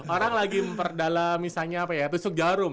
orang lagi memperdalam misalnya apa ya tusuk jarum